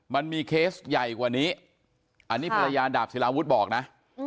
มันมีเคสใหญ่กว่านี้อันนี้ภรรยาดาบศิลาวุฒิบอกนะ